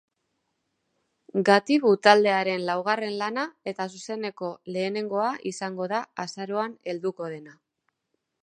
Gatibu taldearen laugarren lana eta zuzeneko lehenengoa izango da azaroan helduko dena.